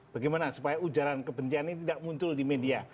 bagaimana supaya ujaran kebencian ini tidak muncul di media